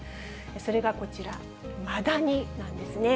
それがこちら、マダニなんですね。